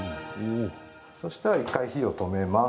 そしたら一回火を止めます。